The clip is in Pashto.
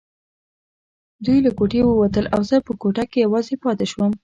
دوی له کوټې ووتل او زه په کوټه کې یوازې پاتې شوم.